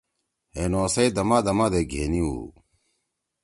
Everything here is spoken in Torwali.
ہے نوسئ دما دما دے گھینی ہُو۔